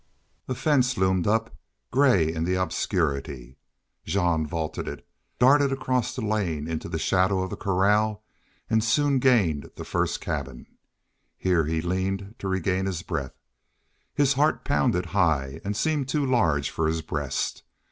A fence loomed up gray in the obscurity. Jean vaulted it, darted across the lane into the shadow of the corral, and soon gained the first cabin. Here he leaned to regain his breath. His heart pounded high and seemed too large for his breast.